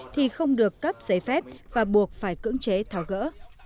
thì không được cắt giấy phép và buộc phải cưỡng chế thảo gỡ